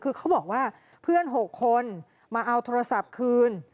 คือเขาบอกว่าเพื่อน๖คนมาเอาโทรศัพท์คืน